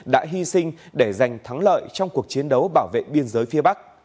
đã hy sinh để giành thắng lợi trong cuộc chiến đấu bảo vệ biên giới phía bắc